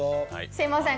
すいません